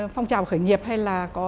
phong trào khởi nghiệp hay là có